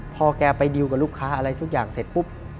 พอแกไปดิวกับลูกค้าอะไรทุกอย่างเสร็จปุ๊บ